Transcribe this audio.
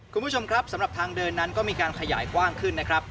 คุณผู้ชมครับสำหรับทางเดินนั้นก็มีการขยายกว้างขึ้นนะครับ